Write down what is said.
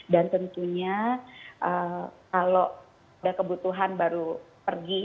dan tentunya kalau ada kebutuhan baru pergi